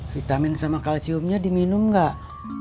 vitamin sama kalsiumnya diminum nggak